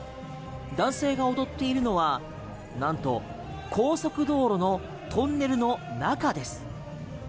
男性が踊っているのはなんと高速道路のトンネルの中です。